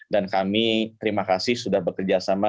dan kami terima kasih sudah bekerjasama